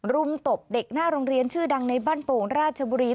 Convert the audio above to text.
มตบเด็กหน้าโรงเรียนชื่อดังในบ้านโป่งราชบุรี